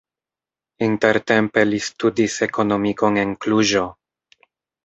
Intertempe li studis ekonomikon en Kluĵo.